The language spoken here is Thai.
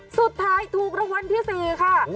สุดท้ายถูกรางวัลที่๔ค่ะ